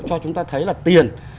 cho chúng ta thấy là tiền